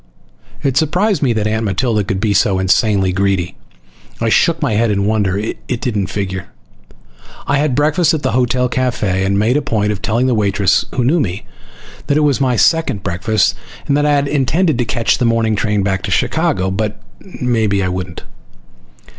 It surprised me that Aunt Matilda could be so insanely greedy. I shook my head in wonder. It didn't figure. I had breakfast at the hotel cafe and made a point of telling the waitress, who knew me, that it was my second breakfast, and that I had intended to catch the morning train back to Chicago, but maybe I wouldn't.